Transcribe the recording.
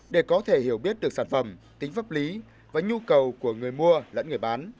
để có thể hiểu biết được sản phẩm tính pháp lý và nhu cầu của người mua lẫn người bán